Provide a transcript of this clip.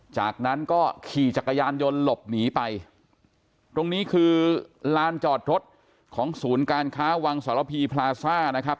จากนั้นก็ขี่จักรยานยนต์หลบหนีไปตรงนี้คือลานจอดรถของศูนย์การค้าวังสรพีพลาซ่านะครับ